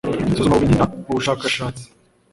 isuzumabumenyi n ubushakashatsi